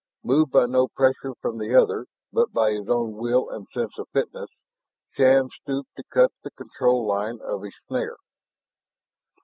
Moved by no pressure from the other, but by his own will and sense of fitness, Shann stooped to cut the control line of his snare.